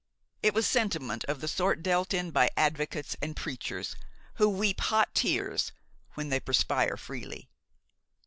It was sentiment of the sort dealt in by advocates and preachers, who weep hot tears when they perspire freely.